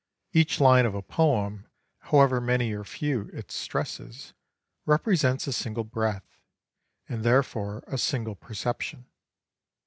Each line of a poem, however many or few its stresses, represents a single breath, and therefore a single perception.